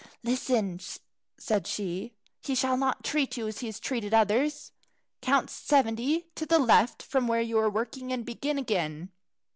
"Listen," said she. "He shall not treat you as he has treated others. Count seventy to the left from where you are working, and begin again.